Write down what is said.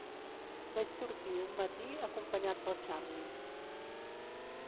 Vaig sortir un matí, acompanyat pel Charley.